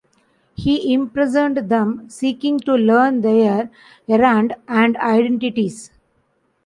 He imprisoned them seeking to learn their errand and identities.